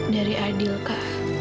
dari adil kak